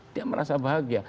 dia merasa bahagia